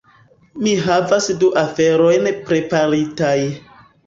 mi havas du aferojn preparitaj